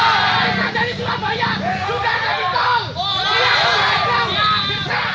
kita dari surabaya juga ada di tol